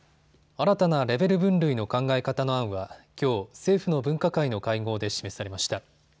新たなレベル分類の考え方の案はきょう政府の分科会の会合で示されました。